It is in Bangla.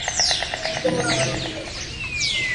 ইতিমধ্যে খুড়ার কাছ হইতে শৈলর চিঠি শুনিল।